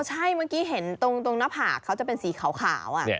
ใช่เมื่อกี้เห็นตรงหน้าผากเขาจะเป็นสีขาว